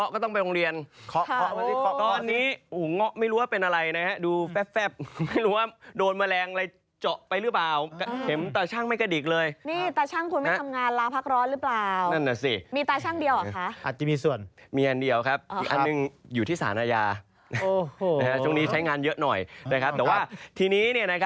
โรงเรียนใกล้เปิดแล้วนี่